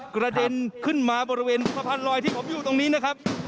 กระเด็นขึ้นมาบริเวณสะพานลอยที่ผมอยู่ตรงนี้นะครับ